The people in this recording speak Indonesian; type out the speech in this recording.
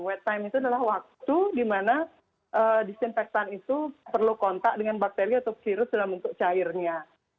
weight time itu adalah waktu di mana disinfektan itu perlu kontak dengan bakteri atau virus dalam bentuk cairnya